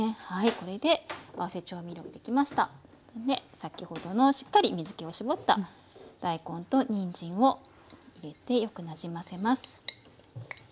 先ほどのしっかり水けを絞った大根とにんじんを入れてよくなじませます。